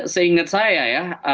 seingat saya ya